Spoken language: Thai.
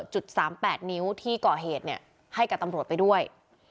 จุด๓๘นิ้วที่ก่อเหตุเนี่ยให้กับตำรวจไปด้วย